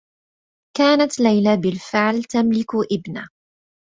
كانت ليلى بالفعل تملك ابنة.